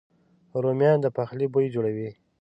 رومیان د پخلي بوی جوړوي